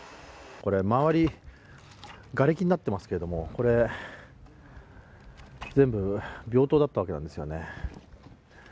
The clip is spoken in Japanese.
これ、周り、がれきになってますけど、これ全部病棟だったわけなんですよね。